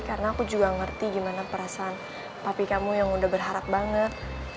karena aku juga ngerti gimana perasaan papi kamu yang udah berharap banget